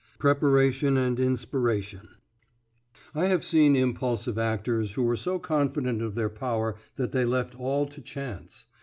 PREPARATION AND INSPIRATION I have seen impulsive actors who were so confident of their power that they left all to chance.